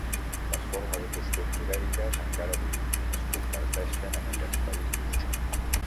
Les formes i costums ibèriques encara avui es comparteixen en aquests països.